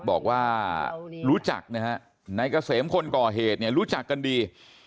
บอกว่ารู้จักนะฮะนายเกษมคนก่อเหตุเนี่ยรู้จักกันดี